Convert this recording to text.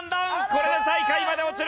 これで最下位まで落ちる。